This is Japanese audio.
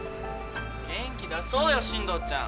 元気出そうよ進藤ちゃん。